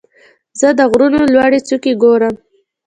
زه د غرونو لوړې څوکې ګورم.